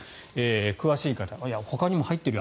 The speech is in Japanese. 詳しい方はほかにも入っているよ